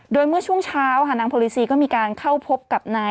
โดยเมื่อช่วงเช้าค่ะนางโพลิซีก็มีการเข้าพบกับนาย